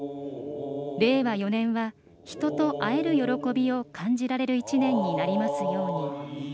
令和４年は人と「会」える喜びを感じられる１年になりますように。